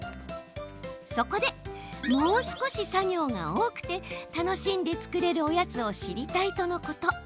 そこで、もう少し作業が多くて楽しんで作れるおやつを知りたいとのこと。